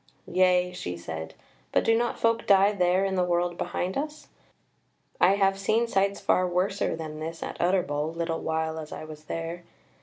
"Yea," she said; "but do not folk die there in the world behind us? I have seen sights far worser than this at Utterbol, little while as I was there.